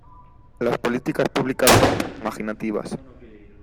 Las políticas públicas son poco imaginativas.